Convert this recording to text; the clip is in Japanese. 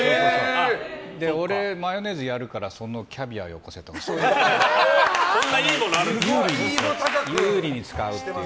俺、マヨネーズやるからそのキャビアよこせとかそういう。